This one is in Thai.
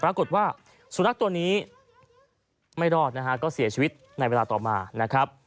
ปรากฏว่าสุนัขตัวนี้ไม่รอดนะฮะก็เสียชีวิตในเวลาต่อมานะครับ